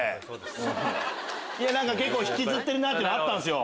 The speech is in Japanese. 引きずってるなっていうのあったんすよ。